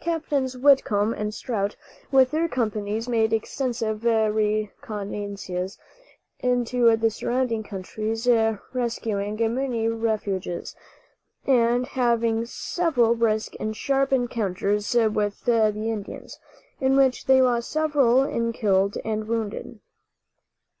Captains Whitcomb and Strout, with their companies, made extensive reconnoisances into the surrounding counties, rescuing many refugees, and having several brisk and sharp encounters with the Indians, in which they lost several in killed and wounded.